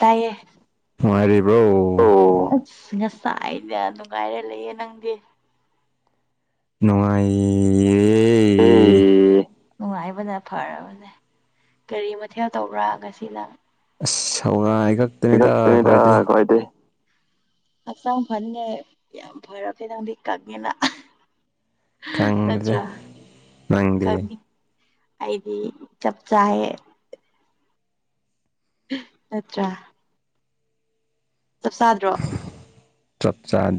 ꯇꯥꯏꯌꯦ ꯁꯥꯏꯗ ꯅꯨꯡꯉꯥꯏꯔ ꯂꯩꯌꯦ ꯅꯪꯗꯤ ꯅ ꯎꯝ ꯅꯨꯡꯉꯥꯏꯕꯅ ꯐꯔꯕꯅꯦ ꯀꯔꯤ ꯃꯊꯦꯜ ꯇꯧꯕ꯭ꯔꯥ ꯉꯁꯤꯅꯪ ꯑ ꯁꯔꯥꯏ ꯛ ꯇꯗ ꯀꯣꯏꯇꯩ ꯍꯛꯆꯥꯡ ꯐꯟꯉꯦ ꯌꯥꯝ ꯐꯔꯛ ꯀꯗꯪꯗꯤ ꯀꯛꯉꯦꯅ ꯅꯠꯇ꯭ꯔ ꯀꯃꯤ ꯑꯩꯗꯤ ꯆꯞ ꯆꯥꯦ ꯑꯆꯥ ꯆꯞ ꯆꯥꯗ꯭ꯔꯣ ꯆꯞ ꯆꯥ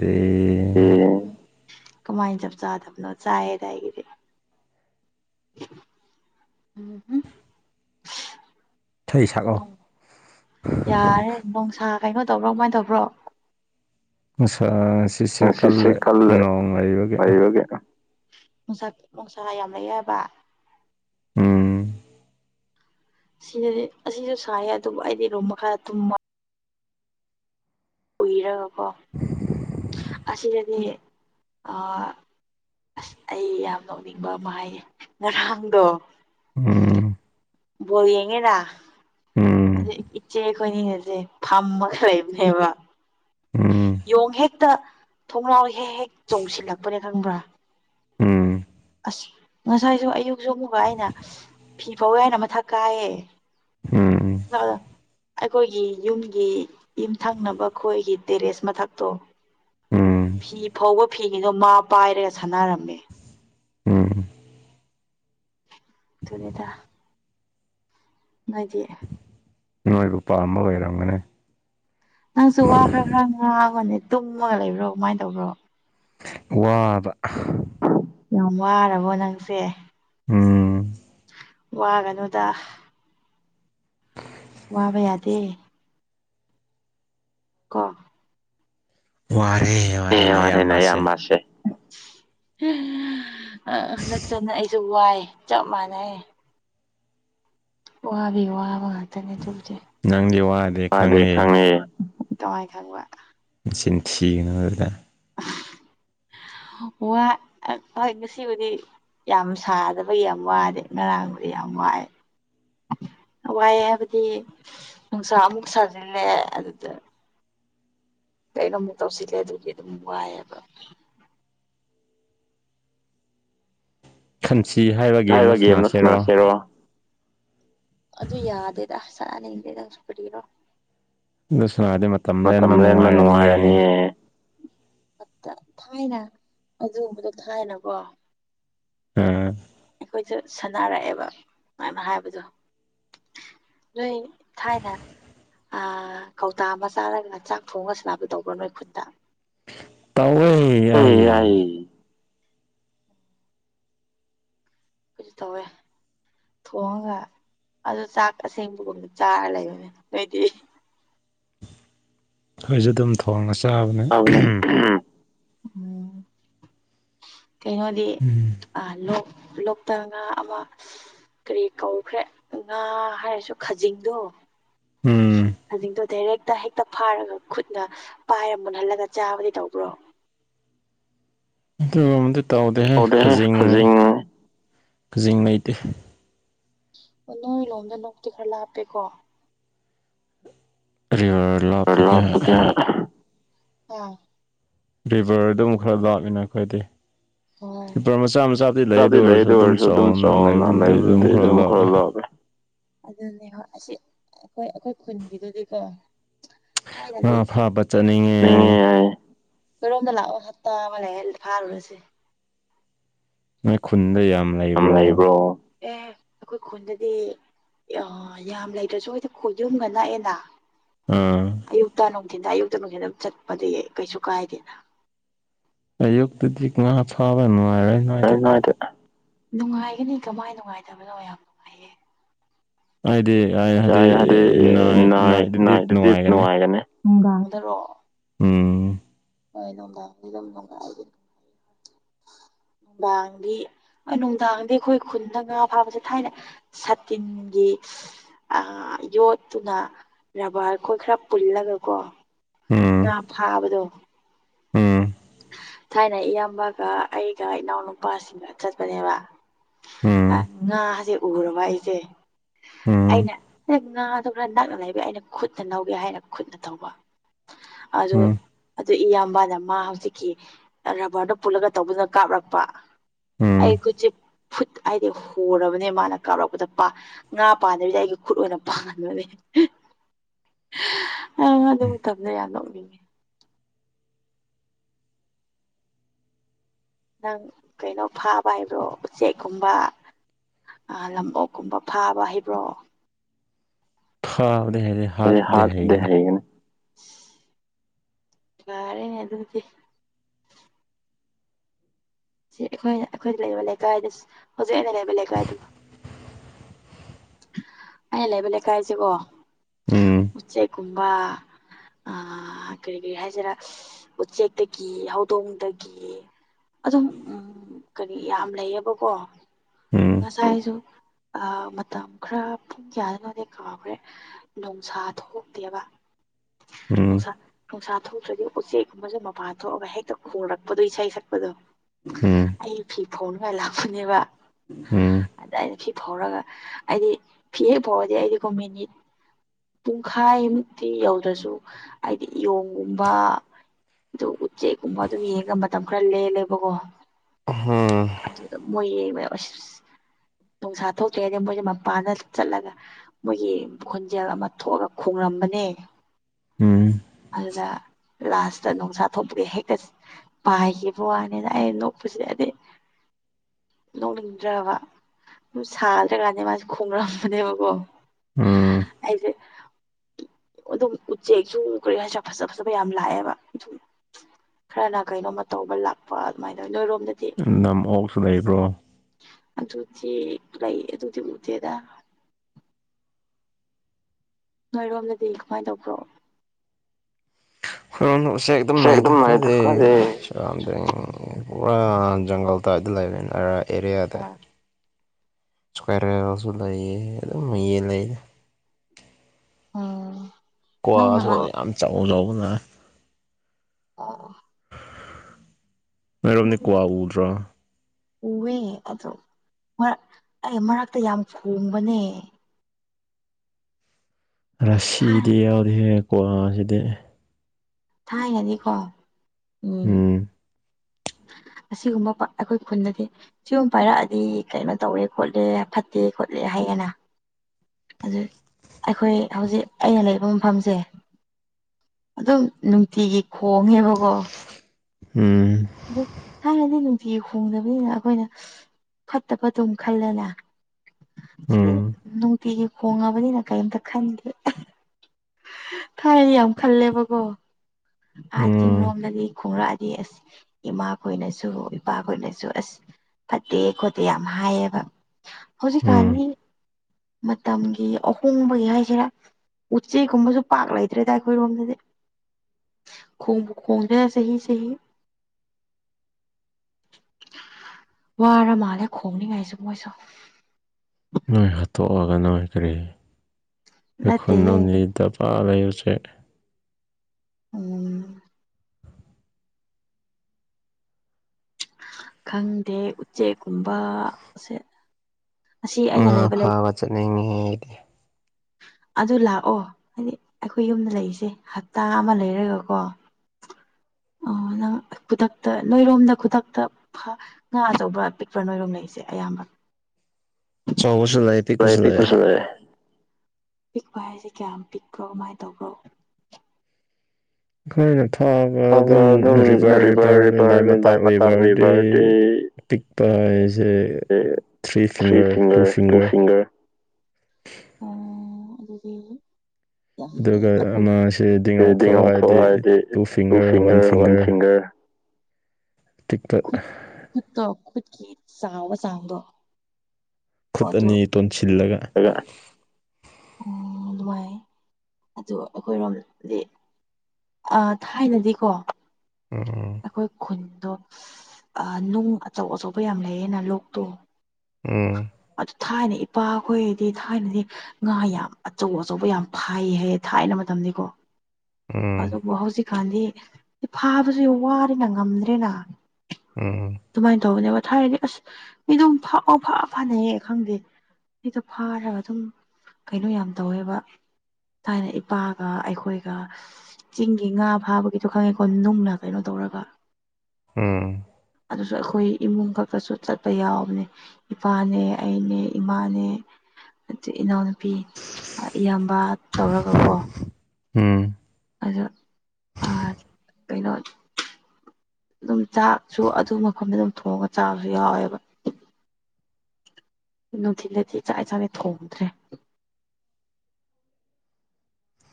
ꯀꯃꯥꯏꯅ ꯆꯞ ꯆꯥꯗꯕꯅꯣ ꯆꯥꯏꯗꯥ ꯑꯩꯒꯤꯗꯤ ꯎꯝ ꯎꯝ ꯌꯥꯔꯦ ꯅꯨꯡꯣꯡꯁꯥ ꯀꯩꯅꯣ ꯇꯧꯕ꯭ꯔꯣ ꯀꯃꯥꯏꯅ ꯇꯧꯕ꯭ꯔꯣ ꯑꯁ ꯁꯤꯁꯦ ꯀꯜꯂꯦ ꯅꯣꯡ ꯂꯩꯕꯒꯤ ꯃꯅꯨꯡꯁꯥ ꯃꯅꯨꯡꯁꯥ ꯌꯥꯝ ꯂꯩꯑꯕ ꯎꯝ ꯁꯤꯅꯗꯤ ꯑꯁꯤꯁꯨ ꯁꯥꯏꯌꯦ ꯑꯗꯨꯕꯨ ꯑꯩꯗꯤ ꯔꯨꯝ ꯃꯈꯥꯗ ꯇꯨꯝꯃ ꯎꯏꯔꯒꯀꯣ ꯑꯁꯤꯗꯗꯤ ꯑꯁ ꯑꯩ ꯌꯥꯝ ꯅꯣꯛꯅꯤꯡꯕ ꯑꯃ ꯍꯥꯏꯌꯦ ꯉꯔꯥꯡꯗꯣ ꯎꯝ ꯣ ꯌꯦꯡꯉꯦꯅ ꯑ ꯏꯆꯦ ꯈꯣꯏꯅꯤꯁꯦ ꯐꯝꯃꯒ ꯂꯩꯕꯅꯦꯕ ꯌꯣꯡ ꯍꯦꯛꯇ ꯊꯣꯡꯅꯥꯎ ꯍꯦꯛ ꯍꯦꯛ ꯆꯣꯡꯁꯤꯜꯂꯛꯄꯅꯦ ꯈꯪꯕ꯭ꯔꯥ ꯑꯁ ꯉꯁꯥꯏꯁꯨ ꯑꯌꯨꯛꯁꯨ ꯑꯃꯨꯛꯕ ꯑꯩꯅ ꯐꯤ ꯐꯧꯋꯦ ꯍꯥꯏꯅ ꯃꯊꯛ ꯀꯥꯏꯌꯦ [inaudible] ꯑ ꯑꯩꯈꯣꯏꯒꯤ ꯌꯨꯝꯒꯤ ꯌꯨꯝꯊꯪꯅꯕ ꯈꯣꯏꯒꯤ ꯇꯦꯔꯦꯁ ꯃꯊꯛꯇꯣ ꯐꯤ ꯐꯕ ꯐꯤꯒꯤꯗꯣ ꯃꯥ ꯄꯥꯏꯔꯒ ꯁꯥꯟꯅꯔꯝꯃꯦ ꯇꯅꯤꯗ ꯃꯗꯤ ꯏꯣꯏꯄꯥꯥꯝꯕ ꯑꯣꯏꯔꯣ ꯑꯪꯅꯦ ꯅꯪꯁꯨ ꯋꯥ ꯈꯔ ꯈꯔ ꯉꯥꯡꯕꯅꯤ ꯇꯨꯝꯃꯒ ꯂꯩꯕ꯭ꯔꯣ ꯀꯃꯥꯏꯅ ꯇꯧꯕ꯭ꯔꯣ ꯋꯥꯕ ꯌꯥꯝ ꯋꯥꯔꯕꯣ ꯅꯪꯁꯦ ꯋꯥꯒꯅꯨꯗ ꯋꯥꯕ ꯌꯥꯗꯦ ꯀ ꯋꯥꯏ ꯑꯦ ꯑꯔꯦꯅꯦ ꯌꯥꯝ ꯃꯥꯁꯦ ꯑ ꯅꯠꯇꯅ ꯑꯩꯁꯨ ꯋꯥꯏ ꯆꯞ ꯃꯥꯟꯅꯩ ꯋꯥꯗꯤ ꯋꯥꯕ ꯉꯇꯅꯦ ꯈꯪꯉꯦ ꯀꯉꯥꯏ ꯈꯪꯕ ꯏꯁꯤꯡꯅ ꯊꯤꯒ ꯅ ꯑꯣꯏ ꯑꯗꯨ꯭ꯔ [inaudible] ꯋꯥ ꯍꯣꯏ ꯉꯁꯤꯕꯨꯗꯤ ꯌꯥꯝ ꯁꯥꯗꯕ ꯌꯥꯝ ꯋꯥꯗꯦ ꯉꯔꯥꯡ ꯌꯥꯝꯅꯨꯡꯏ ꯎꯝ ꯋꯥꯏ ꯍꯥꯏꯕꯗꯤ ꯅꯨꯡꯁꯥ ꯑꯃꯨꯛ ꯁꯥꯖꯤꯜꯂꯦ ꯑꯗꯨꯗ ꯀꯩꯅꯣꯝꯨꯛ ꯇꯧꯁꯤꯜꯂꯦ ꯑꯗꯨꯗꯤ ꯑꯗꯨꯝ ꯋꯥꯏꯑꯕ ꯁꯤ ꯍꯥꯏꯔꯤꯕ ꯒꯦꯝꯗꯣ ꯁꯥꯟꯅꯁꯤꯔꯣ ꯑꯗꯨ ꯌꯥꯗꯦꯗ ꯁꯅꯥꯅꯗꯦꯗꯪꯁꯨ ꯄꯔꯤꯔꯣ ꯑꯗꯨ ꯁꯅꯥꯗꯤ ꯃꯇꯝ ꯂꯦꯟꯕ ꯅꯨꯡꯉꯥꯏꯔꯅꯤꯌꯦ ꯊꯥꯏꯅ ꯑꯗꯨꯒꯨꯝꯕꯗꯣ ꯊꯥꯏꯅꯀꯣ ꯍꯝ ꯑꯩꯈꯣꯏꯁꯨ ꯁꯥꯟꯅꯔꯛꯑꯦꯕ ꯑꯗꯨꯃꯥꯏꯅ ꯍꯥꯏꯕꯗꯣ ꯅꯣꯏ ꯊꯥꯏꯅ ꯀꯧꯇꯥ ꯑꯃ ꯆꯥꯔꯒ ꯆꯥꯛ ꯊꯣꯡꯉꯒ ꯁꯥꯟꯅꯕ ꯇꯧꯕ꯭ꯔꯥ ꯅꯣꯏ ꯈꯨꯠꯇ ꯑꯏꯦ ꯑꯩ ꯇꯋꯦ ꯊꯣꯡꯉꯒ ꯑꯗꯨ ꯆꯥꯛ ꯑꯁꯦꯡꯕꯒꯨꯝꯕꯗ ꯆꯥꯔ ꯂꯩꯕꯅꯦ ꯅꯣꯏꯗꯤ ꯑꯩꯣꯏꯁꯨ ꯑꯗꯨꯝ ꯊꯣꯡꯉꯁꯤ ꯍꯥꯎꯅꯦ ꯎꯝ ꯀꯩꯅꯣꯗꯤ ꯑ ꯂꯣꯛ ꯂꯣꯛꯇ ꯉꯥ ꯑꯃ ꯀꯔꯤ ꯀꯧꯈ꯭ꯔꯦ ꯉꯥ ꯍꯥꯏꯔꯁꯨ ꯈꯖꯤꯡꯗꯣ ꯎꯝ ꯈꯖꯤꯡꯗꯣ ꯗꯥꯏꯔꯦꯛꯇ ꯍꯦꯛꯇ ꯐꯥꯔꯒ ꯈꯨꯠꯅ ꯄꯥꯏꯔ ꯃꯨꯟꯍꯜꯂꯒ ꯆꯥꯕꯗꯤ ꯇꯧꯕ꯭ꯔꯣ ꯑꯗꯨ ꯑꯝꯇ ꯇꯥꯎꯗꯦꯍꯦ ꯈꯖꯤꯡ ꯖꯤꯡ ꯂꯩꯇꯦ ꯅꯣꯏ ꯂꯣꯝꯗ ꯅꯣꯛꯇꯤ ꯈꯔ ꯂꯥꯞꯄꯦꯀꯣ ꯀꯂꯣꯇ ꯀꯌꯥ ꯚꯔꯗꯨ ꯑꯃꯨꯛ ꯈꯔ ꯂꯥꯛꯃꯤꯅ ꯑꯩꯈꯣꯏꯗꯤ ꯇ꯭ꯋꯤꯄꯔ ꯃꯆꯥ ꯃꯆꯥꯕꯨꯗꯤ ꯂꯩ ꯑꯗꯨ ꯑꯣꯏꯔꯁꯨ ꯑꯗꯨꯝ ꯆꯥꯎꯅ ꯂꯩꯕꯗꯤ ꯑꯗꯨꯝ ꯈꯔ ꯂꯥꯛꯑꯦ ꯑꯗꯨꯅꯦ ꯍꯣꯏ ꯑꯁꯤ ꯑꯩꯈꯣꯏ ꯑꯩꯈꯣꯏ ꯈꯨꯟꯒꯤꯗꯨꯗꯤꯀꯣ [inaudible] ꯀꯔꯣꯝꯗ ꯂꯥꯛꯑꯣꯒ ꯍꯞꯇꯥ ꯑꯃ ꯂꯩ ꯍꯥꯏꯂ ꯐꯥꯔꯨꯔꯁꯤꯦ ꯃ ꯈꯨꯟꯗ ꯌꯥꯝ ꯌꯥꯝ ꯂꯩꯕ꯭ꯔꯣ ꯑꯦ ꯑꯩꯈꯣꯏ ꯈꯨꯟꯗꯗꯤ ꯑ ꯌꯥꯝ ꯂꯩꯇ꯭ꯔꯁꯨ ꯍꯣꯏꯗ ꯈꯣꯏꯖꯨꯝꯒ ꯅꯛꯑꯦꯅ ꯑꯌꯨꯛꯇ ꯅꯨꯡꯊꯤꯟꯗ ꯑꯌꯨꯛꯇ ꯅꯨꯡꯊꯤꯟꯗ ꯆꯠꯄꯗꯤ ꯀꯩꯁꯨ ꯀꯥꯏꯗꯦꯅ ꯑꯌꯨꯛꯇꯨꯗꯤ ꯉꯥ ꯐꯥꯕ ꯅꯨꯡꯉꯥꯏꯔꯣꯏ ꯅꯨꯡꯉꯥꯏꯗꯤꯦ ꯅꯨꯡꯉꯥꯏꯒꯅꯤ ꯀꯃꯥꯏ ꯅꯨꯡꯉꯥꯏꯗꯕꯅꯣ ꯌꯥꯝ ꯅꯨꯡꯉꯥꯏꯌꯦ ꯍꯥꯏꯗꯦ ꯌꯥ ꯍꯥꯏꯗꯤ ꯅꯥꯏ ꯅꯥꯏ ꯑꯗꯨꯗꯤ ꯅꯨꯡꯉꯥꯏꯒꯅꯤ ꯎꯝ ꯍ ꯅꯅꯨꯡꯉꯥꯏ ꯑꯗꯨ ꯑꯗꯨꯝ ꯅꯅꯨꯡꯉꯥꯏ [inaudible] ꯅꯨꯡꯗꯥꯡꯗꯤ ꯍꯣꯏ ꯅꯨꯡꯗꯥꯡꯗꯤ ꯑꯩꯈꯣꯏ ꯈꯨꯟꯗ ꯉꯥ ꯐꯥꯕꯁꯦ ꯊꯥꯏꯅ ꯁꯥꯇꯤꯟꯒꯤ [inaudible] ꯑ ꯌꯣꯠꯇꯨꯅ ꯕꯥꯔꯈꯣꯏ ꯈꯔ ꯄꯨꯜꯂꯒꯀꯣ ꯉ ꯐꯥꯕꯗꯣ ꯎꯝ ꯊꯥꯏꯅ ꯏꯌꯥꯝꯕꯒ ꯑꯩꯒ ꯏꯅꯥꯎꯅꯨꯄꯥꯁꯤꯡꯒ ꯆꯠꯄꯅꯦꯕ ꯑ ꯉꯥꯁꯦ ꯎꯔꯕ ꯑꯩꯁꯦ ꯑꯏꯩꯅ ꯉ ꯑꯗꯨ ꯑꯩꯅ ꯈꯨꯠꯅ ꯅꯧꯒꯦ ꯍꯥꯏꯅ ꯈꯨꯠꯅ ꯇꯧꯕ ꯑꯗꯨ ꯑꯗꯨ ꯏꯌꯥꯝꯕꯗ ꯃꯥ ꯍꯧꯖꯤꯛꯀꯤ ꯔꯕꯔꯗ ꯄꯨꯜꯂꯒ ꯇꯧꯕꯗꯨꯅ ꯀꯥꯞꯔꯛꯄ ꯑꯩ ꯈꯨꯠꯁꯦ ꯐꯨꯠ ꯍꯥꯏꯗꯤ ꯍꯣꯔꯕꯅꯦ ꯃꯥꯅ ꯀꯥꯞꯔꯛꯄꯗ ꯉꯥ ꯄꯥꯕꯤꯗ ꯑꯩꯒꯤ ꯈꯨꯨꯠ ꯑꯣꯏꯅ ꯄꯥꯟꯕꯅꯦ [unintelligible] ꯑꯪ ꯑꯗꯨ ꯃꯇꯝꯗ ꯌꯥꯝꯗꯣꯛꯅꯤꯡꯉꯦ ꯅꯪ ꯀꯩꯅꯣ ꯐꯥꯕ ꯍꯥꯏꯕ꯭ꯔꯣ ꯎꯆꯦꯛꯀꯨꯝꯕ ꯂꯝꯕꯣꯛꯀꯨꯝꯕ ꯐꯥꯕ ꯍꯩꯕ꯭ꯔꯣ ꯊꯥ ꯔꯦ ꯍꯥꯔꯗ ꯍꯥꯏꯅ ꯋꯥꯔꯦꯅꯦ ꯑꯗꯨꯗꯤ ꯁꯤ ꯑꯩꯈꯣꯏꯅ ꯑꯩꯈꯣꯏꯗ ꯂꯩꯔꯤꯕ ꯂꯩꯀꯥꯏꯗ ꯍꯧꯖꯤꯛ ꯑꯩꯅ ꯂꯩꯔꯤꯕ ꯂꯩꯀꯥꯏꯗꯨꯕꯨ ꯑ ꯂꯩꯕ ꯂꯩ ꯀꯥꯏꯁꯤꯦꯕꯣ ꯎꯆꯦꯛꯀꯨꯝꯕ ꯑ ꯀꯔꯤ ꯀꯔꯤ ꯍꯥꯏꯁꯤꯔꯥ ꯎꯆꯦꯛꯇꯒꯤ ꯍꯧꯗꯣꯡꯗꯒꯤ ꯑꯗꯨꯝ ꯎꯝ ꯀꯔꯤ ꯌꯥꯝ ꯂꯩꯌꯦꯕꯀꯣ ꯉꯁꯥꯏꯁꯨ ꯑ ꯃꯇꯝ ꯈꯔ ꯄꯨꯡ ꯀꯌꯥꯗꯅꯣꯅꯦꯩ ꯀꯥꯎꯈ꯭ꯔꯦ ꯅꯨꯡꯁꯥ ꯊꯣꯛꯍꯗꯦꯕ ꯎꯝ ꯅꯨꯡꯁꯥ ꯅꯨꯡꯁꯥ ꯊꯣꯛꯇ꯭ꯔꯗꯤ ꯎꯆꯦꯛꯒꯨꯝꯕꯁꯨ ꯃꯄꯥ ꯊꯣꯛꯑꯒ ꯍꯦꯛꯇ ꯍꯣꯜꯣꯔꯛꯄꯗꯣ ꯏꯁꯩ ꯁꯛꯄꯗꯣ ꯑꯩ ꯐꯤ ꯐꯧꯅꯉꯥꯏ ꯂꯥꯛꯄꯅꯦꯕ ꯑꯗ ꯑꯩꯅ ꯐꯤ ꯐꯧꯔꯒ ꯑꯩꯗꯤ ꯐꯤꯦ ꯐꯗꯦ ꯑꯩꯗꯤ ꯀꯨꯝꯃꯤꯅꯤ ꯄꯨꯡꯈꯥꯏꯃꯨꯛꯇꯤ ꯌꯧꯗ꯭ꯔꯁꯨ ꯍꯥꯏꯗꯤ ꯏꯌꯣꯡꯒꯨꯝꯕ ꯑꯗꯨ ꯎꯆꯦꯛꯀꯨꯝꯕ ꯑꯗꯨꯝ ꯌꯦꯡꯉ ꯃꯇꯝ ꯈꯔ ꯂꯦꯜꯂꯦꯕꯀꯣ ꯑꯗꯨꯗ ꯃꯣꯏ ꯑꯁ ꯊꯣꯡꯁꯥ ꯊꯣꯛꯇ꯭ꯔꯦ ꯍꯥꯏꯗꯤ ꯃꯣꯏꯁꯦ ꯃꯄꯥꯥꯟꯗ ꯆꯠꯂꯒ ꯃꯣꯏꯒꯤ ꯈꯣꯟꯖꯦꯜ ꯑꯃ ꯊꯣꯛꯑꯒ ꯈꯣꯡꯡꯂꯝꯕꯅꯦ ꯎꯝ ꯑꯗꯨꯗ ꯂꯥꯁꯇ ꯅꯨꯡꯁꯥ ꯊꯣꯛꯄꯗꯤ ꯍꯦꯛꯇ ꯄꯥꯏ ꯋꯥꯅꯤꯅ ꯑ ꯅꯣꯛꯄꯁꯤ [unintelligible] ꯅꯣꯡꯅꯤꯡꯗ꯭ꯔꯕ ꯑꯗꯨ ꯁꯥꯗ꯭ꯔꯀꯗ ꯃꯥꯁꯦ ꯈꯣꯡꯂꯝꯕꯅꯦꯕꯀꯣ ꯍꯥꯏꯁꯦ ꯑꯗꯨꯝ ꯎꯠꯁꯦꯛ ꯁꯨꯝ ꯀ ꯐꯖ ꯐꯖꯕ ꯌꯥꯝ ꯂꯥꯛꯑꯦꯕꯨꯝ ꯈꯔꯅ ꯀꯩꯅꯣꯝꯃ ꯇꯧꯕ ꯂꯥꯛꯄ ꯑꯗꯨꯃꯥꯏꯅ ꯅꯣꯏꯔꯣꯝꯗ ꯅꯝ ꯑꯣꯛꯁꯨ ꯂꯩꯕ꯭ꯔꯣ ꯑꯗꯨꯗꯤ ꯂꯩ ꯑꯗꯨꯗꯤ ꯎꯗꯦꯗ ꯅꯣꯏꯔꯣꯝꯗꯗꯤ ꯀꯃꯥꯏꯅ ꯇꯧꯕ꯭ꯔꯣ ꯁꯦ ꯊ ꯆꯥꯟ ꯄꯨ [unintelligible] ꯑꯗꯨꯋꯥꯏꯗ ꯂꯩꯥꯏꯕ ꯑꯔꯥ ꯑꯦꯔꯤꯌꯥꯗ ꯁꯀꯋꯥꯔꯁꯨ ꯂꯩꯌꯦ ꯑꯗꯨꯝ ꯃꯌꯦ ꯂꯩ ꯎꯝ ꯀ꯭ꯋꯥꯁꯨ ꯌꯥꯝ ꯆꯥꯎ ꯆꯥꯎꯕꯅ ꯑ ꯃꯔꯝꯅꯤ ꯀ꯭ꯋꯥ ꯎꯗ꯭ꯔꯣ ꯎꯑꯦ ꯑꯗꯣ ꯃꯔ ꯑꯩ ꯃꯔꯛꯇ ꯌꯥꯝ ꯈꯣꯡꯕꯅꯦ ꯔꯁꯤꯗꯤ ꯌꯥꯎꯔꯤꯍꯦ ꯀꯨ꯭ꯋꯁꯤꯗꯤ ꯊꯥꯏꯅꯗꯤꯀꯣ ꯎꯝ [unintelligible] ꯑꯁꯤꯒꯨꯝꯕ ꯑꯩꯈꯣꯏ ꯈꯨꯟꯗꯗꯤ ꯁꯤꯒꯨꯝꯕ ꯄꯥꯏꯔꯛꯑꯗꯤ ꯀꯩꯅꯣ ꯇꯧꯋꯦ ꯈꯣꯠꯂꯦ ꯐꯠꯇꯦ ꯈꯣꯠꯂꯦ ꯍꯥꯏꯒꯅ ꯑꯗꯨ ꯑꯩꯈꯣꯏ ꯍꯧꯖꯤꯛ ꯑꯩꯅ ꯂꯩꯕ ꯃꯐꯝꯁꯦ ꯑꯗꯨꯝ ꯅꯨꯡꯇꯤꯒꯤ ꯈꯣꯡꯉꯦꯕꯀꯣ ꯑ ꯑꯗꯨ ꯆꯤ ꯈꯣꯡꯗꯕꯅꯤꯅ ꯑꯩꯈꯣꯏꯅ ꯐꯠꯇ ꯐꯠꯇꯝ ꯈꯜꯂꯅꯦ ꯁꯤꯗꯤ ꯅꯨꯡꯇꯤꯒꯤ ꯈꯣꯡꯉꯕꯅꯤꯅ ꯀꯔꯤꯝꯇ ꯈꯟꯗꯦ ꯐꯔꯗꯤ ꯌꯥꯝ ꯈꯜꯂꯦꯕꯀꯣ ꯑꯥ ꯆꯤꯡꯂꯣꯝꯗꯗꯤ ꯈꯣꯡꯡꯂꯛꯑꯗꯤ ꯑꯁ ꯏꯃꯥ ꯈꯣꯏꯅꯁꯨ ꯏꯄꯥꯈꯣꯏꯅꯁꯨ ꯑꯁ ꯐꯠꯇꯦ ꯈꯣꯠꯇꯦ ꯌꯥꯝ ꯍꯥꯏꯌꯦꯕ ꯍꯧꯖꯤꯛꯀꯥꯟꯗꯤ ꯃꯇꯝꯒꯤ ꯑꯍꯣꯡꯕꯒꯤ ꯍꯥꯏꯁꯤꯔꯥ ꯎꯆꯦꯒꯨꯝꯕꯁꯨ ꯄꯥꯛ ꯂꯩꯇ꯭ꯔꯦꯗ ꯑꯩꯈꯣꯏꯔꯣꯝꯗꯗꯤ ꯈ ꯈꯗ ꯁꯍꯤ ꯁꯍꯤ ꯋꯥꯔ ꯃꯥꯜꯂꯦ ꯈꯣꯡꯅꯤꯉꯥꯏꯁꯦ ꯃꯣꯏꯁꯨ ꯅꯣꯏ ꯍꯥꯠꯇꯣꯛꯑꯒ ꯅꯣꯏ ꯀꯔꯤ ꯑꯩꯈꯣꯏ ꯈꯨꯟ ꯅꯁꯤ ꯗꯄꯥ ꯂꯩ ꯆꯦꯠ ꯂꯦ ꯎꯝ ꯈꯪꯗꯦ ꯎꯆꯦꯛꯀꯨꯝꯕꯁꯦ ꯉꯥ ꯐꯥꯕ ꯆꯠꯅꯤꯡꯉꯤꯍꯦ ꯑꯗꯨ ꯂꯥꯛꯑꯣ ꯍꯥꯏꯗꯤ ꯑꯩꯈꯣꯏ ꯌꯨꯝꯗ ꯂꯩꯁꯤ ꯍꯞꯇꯥ ꯑꯃ ꯂꯩꯔꯒꯀꯣ ꯎ ꯑꯣ ꯅꯪ ꯈꯨꯗꯛꯇ ꯅꯣꯏꯔꯣꯝꯗ ꯈꯨꯗꯛꯇ ꯉꯥ ꯑꯆꯧꯕ꯭ꯔꯥ ꯄꯤꯛꯄ꯭ꯔꯥ ꯅꯣꯏꯔꯣꯝ ꯂꯩꯁꯦ ꯑꯌꯥꯝꯕ [inaudible] ꯆꯥꯎꯕꯁꯨ ꯂꯩ ꯄꯤꯛꯄꯁꯨ ꯂꯩ ꯄꯤꯛꯄ ꯍꯥꯏꯁꯦ ꯀꯌꯥꯝ ꯄꯤꯛꯄ꯭ꯔꯣ ꯀꯃꯥꯏꯅ ꯇꯧꯕ꯭ꯔꯣ ꯍꯣꯏ ꯐꯥꯕ ꯑꯗꯨꯝ ꯔꯤꯕꯔ ꯔꯤꯕꯔ ꯃꯥꯏ ꯃꯇꯥꯛ ꯔꯤꯕꯔꯗꯤ ꯄ ꯑꯩꯁꯦ ꯊ꯭ꯔꯤ ꯐꯤꯡꯒꯔ ꯇꯨ ꯐꯤꯡꯒꯔ ꯑ ꯑꯗꯨꯗꯤ ꯗꯤ ꯉꯥꯎꯊꯣꯛ ꯍꯥꯏꯗꯤ ꯇꯨ ꯁꯤꯡꯒꯔ ꯋꯥꯟ ꯁꯤꯡꯒꯔ [inaudible] ꯠ ꯈꯨꯠꯇ ꯈꯨꯠ ꯀ ꯆꯥꯎꯕ ꯆꯥꯡꯗꯣ ꯈꯨꯠ ꯑꯅꯤ ꯇꯣꯟꯁꯤꯜꯂꯒ ꯑꯣ ꯅꯨꯡꯉꯥꯏ ꯑ ꯑꯩꯈꯣꯏꯔꯣꯝꯗꯤ ꯑ ꯊꯥꯏꯅꯗꯤꯀꯣ ꯑꯩꯈꯣꯏ ꯈꯨꯟꯗꯣ ꯑ ꯅꯨꯡ ꯑꯆꯧ ꯑꯆꯧꯕ ꯌꯥꯝ ꯂꯩꯌꯦꯅ ꯂꯣꯛꯇꯣ ꯑꯗꯨ ꯊꯥꯏꯅ ꯏꯄꯥꯈꯣꯏꯗꯤ ꯊꯥꯏꯅꯗꯤ ꯉꯥ ꯌꯥꯝ ꯑꯆꯧ ꯑꯆꯧꯕ ꯌꯥꯝ ꯐꯥꯏ ꯍꯥꯏꯌꯦ ꯊꯥꯏꯅ ꯃꯇꯝꯗꯤꯀꯣ ꯑꯗꯨꯕꯨ ꯍꯧꯖꯤꯛ ꯀꯥꯟꯗꯤ ꯐꯥꯕꯁꯨ ꯌꯥꯝ ꯋꯥꯔꯦꯅ ꯉꯝꯗ꯭ꯔꯦꯅ ꯑꯗꯨꯃꯥꯏꯅ ꯇꯧꯕꯅꯦꯕ ꯊꯥꯏꯅꯗꯤ ꯑꯁ ꯃꯤꯗꯨꯝ ꯐꯛꯑꯣ ꯐꯛꯑ‌ꯣ ꯐꯅꯩꯌ‌ꯦ ꯈꯪꯗꯦ ꯑꯩꯗꯣ ꯐꯥꯔꯒ ꯑꯗꯨꯝ ꯀꯩꯅꯣ ꯌꯥꯝ ꯇꯧꯋꯦꯕ ꯊꯥꯏꯅ ꯏꯄꯥꯒ ꯑꯩꯈꯣꯏꯒ ꯆꯤꯡꯒꯤ ꯉꯥ ꯐꯥꯕꯒꯤꯗꯣ ꯈꯪꯉꯦꯀꯣ ꯅꯨꯡꯅ ꯀꯩꯅꯣ ꯇꯧ ꯄꯨꯔꯒ ꯎꯝ ꯑꯗꯨꯁꯨ ꯑꯩꯈꯣꯏ ꯏꯃꯨꯡ ꯈꯛꯇꯁꯨ ꯆꯠꯄ ꯌꯥꯎꯕꯅꯦ ꯏꯄꯥꯅꯦ ꯑꯩꯅꯦ ꯏꯃꯥꯅꯦ ꯑꯗꯨ ꯏꯅꯥꯎꯅꯨꯄꯤ ꯑ ꯏꯌꯥꯝꯕ ꯇꯧꯔꯒꯀꯣ ꯎꯝ ꯑꯗ ꯑꯥ ꯀꯩꯅꯣ ꯑꯗꯨꯝ ꯆꯥꯛꯁꯨ ꯑꯗꯨ ꯃꯐꯝꯗꯨꯗ ꯑꯗꯨꯝ ꯊꯣꯡꯉ ꯆꯥꯕꯁꯨ ꯌꯥꯎꯋꯦꯕ ꯅꯨꯡꯊꯤꯜꯗꯗꯤ ꯆꯥꯛ ꯏꯟꯁꯥꯡ ꯊꯣꯡꯗ꯭ꯔꯦ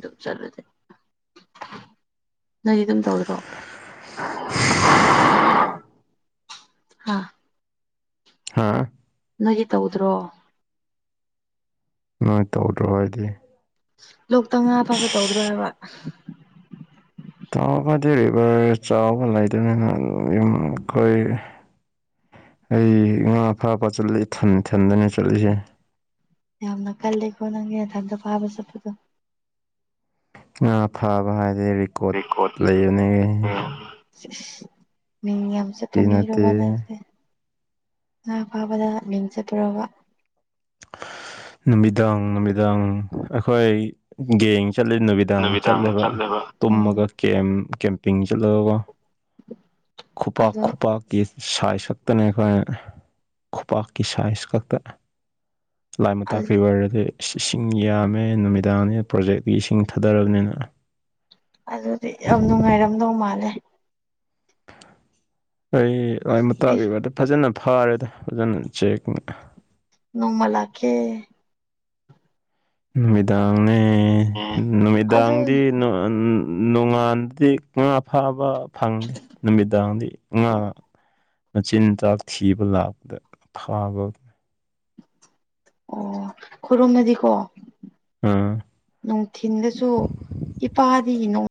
ꯗꯨꯝ ꯆꯠꯂꯗꯤ ꯅꯣꯏꯗꯤ ꯑꯗꯨꯝ ꯇꯧꯔꯦꯀꯣ ꯍꯥ ꯍꯥꯥ ꯅꯣꯏꯗꯤ ꯇꯧꯗ꯭ꯔꯣ ꯅꯣꯏ ꯇꯧꯗ꯭ꯔꯣ ꯍꯥꯏꯗꯤ ꯂꯣꯛꯇ ꯉꯥ ꯐꯥꯕ ꯇꯧꯗ꯭ꯔꯣ ꯍꯥꯏꯕ ꯊꯥꯎꯒꯗꯤ ꯚꯔ ꯆꯥꯎꯕ ꯂꯩꯗꯅꯤꯅ ꯌꯨꯝ ꯑꯩꯈꯣꯏ ꯑꯩ ꯉꯥ ꯐꯥꯕ ꯆꯠꯂꯤ ꯏꯊꯟ ꯏꯊꯟꯗꯅ‌ꯦ ꯆꯠꯂꯤꯁꯦ ꯌꯥꯝꯅ ꯀꯜꯂꯦꯀꯣ ꯅꯪꯗꯤ ꯅꯊꯟꯇ ꯐꯥꯕ ꯆꯠꯄꯗꯣ ꯉꯥ ꯐꯥꯕ ꯍꯥꯏꯗꯤ ꯔꯦꯀꯣꯔꯠ ꯂꯩꯕꯅꯤ ꯏꯁ ꯏꯁ ꯃꯤꯡ ꯌꯥꯝ ꯆꯠꯄ ꯃꯤꯔ‌ꯣꯕ ꯅꯪꯁꯦ ꯉꯥ ꯐꯥꯕꯗꯥ ꯃꯤꯡ ꯆꯠꯄꯔꯣꯕ ꯅꯨꯃꯤꯗꯥꯡ ꯅꯨꯃꯤꯗꯥꯡ ꯑꯩꯈꯣꯏ ꯒꯦꯡ ꯆꯠꯂꯤ ꯅꯨꯃꯤꯗꯥꯡ ꯆꯠꯂꯦꯕ ꯇꯨꯝꯃꯒ ꯀꯦꯝ ꯀꯦꯝꯄꯤꯡ ꯆꯠꯂꯒꯀ‌ꯣ ꯈꯨꯞꯄꯥꯛ ꯈꯨꯞꯄꯥꯛ ꯀꯤꯁ ꯁꯥꯏꯖ ꯈꯛꯇꯅꯦ ꯑꯩꯈꯣꯏꯅ ꯈꯨꯄꯥꯛꯀꯤ ꯁꯥꯏꯖ ꯈꯛꯇ ꯂꯥꯏꯃꯇꯥꯛ ꯔꯤꯕꯔ ꯗꯗꯤ ꯏꯁꯤ ꯏꯁꯤꯡ ꯌꯥꯝꯃꯦ ꯅꯨꯃꯤꯗꯥꯡꯅꯤꯅ ꯄ꯭ꯔꯣꯖꯦꯛꯀꯤ ꯏꯁꯤꯡ ꯊꯥꯗꯔꯕꯅꯤꯅ [unintelligible] ꯑꯩ ꯂꯥꯏꯃꯇꯥꯛ ꯔꯤꯕꯔꯗ ꯐꯖꯅ ꯐꯥꯔꯦꯗ ꯐꯖꯅ ꯆꯦꯛꯅꯤ ꯅꯣꯡꯃ ꯂꯥꯛꯀꯦ ꯅꯨꯃꯤꯗꯥꯡꯅꯦ ꯅꯨꯃꯤꯗꯥꯡꯗꯤ ꯅ ꯅꯣꯡꯉꯥꯟꯗꯦ ꯉꯥ ꯐꯥꯕ ꯐꯪꯗꯦ ꯅꯨꯃꯤꯗꯥꯡꯗꯤ ꯉꯥ ꯃꯆꯤꯟꯖꯥꯛ ꯊꯤꯕ ꯂꯥꯛꯄꯗ ꯐꯥꯕ ꯑꯣ ꯈꯨꯔꯨꯝꯅꯗꯤꯀꯣ ꯅꯨꯡꯊꯤꯟꯗꯁꯨ ꯏꯄꯥꯗꯤ ꯅꯨꯡ